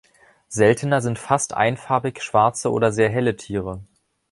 Seltener sind fast einfarbig schwarze oder sehr helle Tiere.